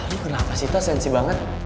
lo kenapa sih tas sensi banget